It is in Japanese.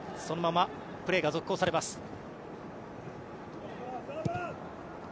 そのままプレーが続行されます。